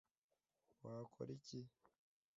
wakora iki?